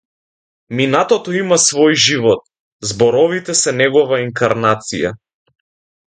Минатото има свој живот, зборовите се негова инкарнација.